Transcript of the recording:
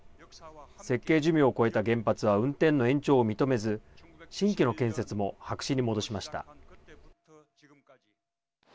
設計寿命を超えた原発は運転の延長を認めず新規の建設も白紙に戻しました。